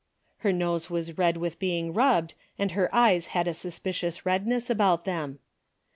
Her nose was red with be ing rubbed and her eyes had a suspicious red ness about them.